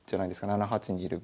７八にいる分。